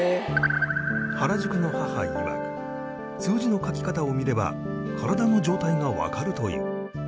原宿の母いわく数字の書き方を見れば体の状態がわかるという